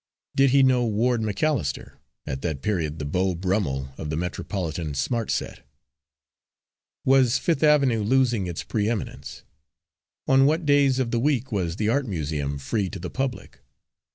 Did he know Ward McAllister, at that period the Beau Brummel of the metropolitan smart set? Was Fifth Avenue losing its pre eminence? On what days of the week was the Art Museum free to the public?